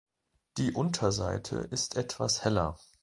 Die Unterseite ist etwas heller.